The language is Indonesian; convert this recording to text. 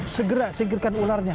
segera singkirkan ularnya